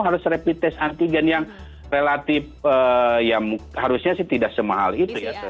harus rapid test antigen yang relatif ya harusnya sih tidak semahal itu ya